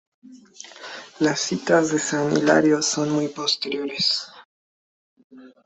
Las citas de San Hilario son muy posteriores.